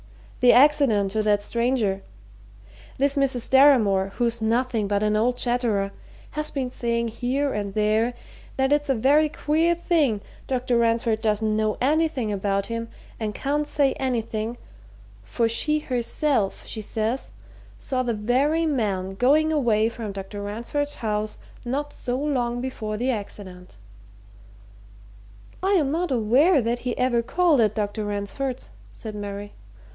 "The accident to that stranger. This Mrs. Deramore, who's nothing but an old chatterer, has been saying, here and there, that it's a very queer thing Dr. Ransford doesn't know anything about him, and can't say anything, for she herself, she says, saw the very man going away from Dr. Ransford's house not so long before the accident." "I am not aware that he ever called at Dr. Ransford's," said Mary.